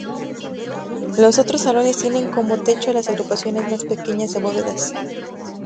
Los otros salones tienen como techo las agrupaciones más pequeñas de "bóvedas".